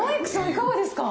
いかがですか？